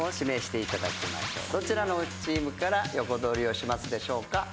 どちらのチームから横取りをしますでしょうか？